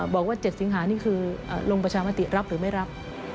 บอกว่า๗สิงหานี่คือลงประชามติรับหรือไม่รับ